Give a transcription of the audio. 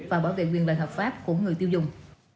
và bảo vệ quyền lợi hợp pháp của người tiêu dùng